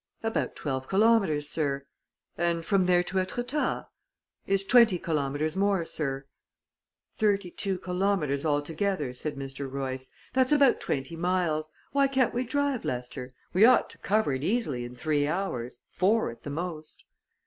"About twelve kilometers, monsieur." "And from there to Etretat?" "Is twenty kilometers more, monsieur." "Thirty two kilometers altogether," said Mr. Royce. "That's about twenty miles. Why can't we drive, Lester? We ought to cover it easily in three hours four at the most."